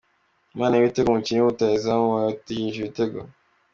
Imana y’ibitego : Umukinnyi rutahizamu, uba utegerejweho ibitego.